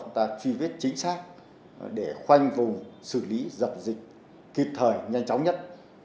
chúng ta truy vết chính xác để khoanh vùng xử lý dập dịch kịp thời nhanh chóng nhất